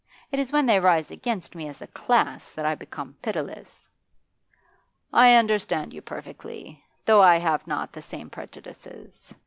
It is when they rise against me as a class that I become pitiless.' 'I understand you perfectly, though I have not the same prejudices.